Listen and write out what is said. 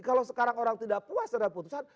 kalau sekarang orang tidak puas terhadap putusan